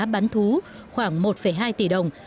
bắn thú khoảng một hai tỷ đồng